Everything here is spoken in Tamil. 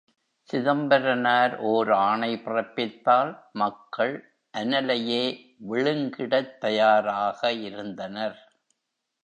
சிதம்பரனார் ஓர் ஆணை பிறப்பித்தால், மக்கள் அனலையே விழுங்கிடத் தயாராக இருந்தனர்!